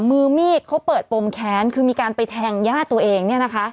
มือมีดเขาเปิดปมแขนคือมีการไปแทงญาติตัวเอง